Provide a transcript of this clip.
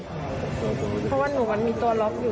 เพราะว่าหนูมันมีตัวล็อกอยู่